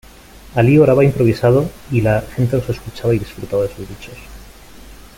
Ali oraba improvisado y la gente los escuchaba y disfrutaba de sus dichos.